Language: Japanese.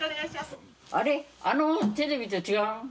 あのテレビと違う？